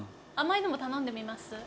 甘いのも頼んでみます？